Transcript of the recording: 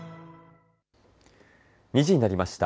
２時になりました。